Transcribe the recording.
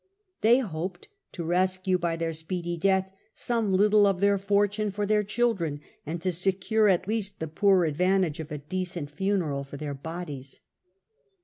They hoped to rescue by their speedy death some little of their fortune for their children, and to secure at least the poor advantage of a decent funeral for their bodies.